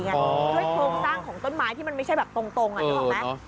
ด้วยโครงสร้างของต้นไม้ที่มันไม่ใช่แบบตรงนึกออกไหม